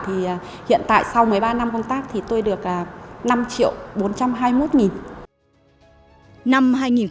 thì hiện tại sau một mươi ba năm công tác thì tôi được năm triệu bốn trăm hai mươi một